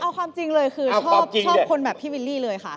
เอาความจริงเลยคือชอบคนแบบพี่วิลลี่เลยค่ะ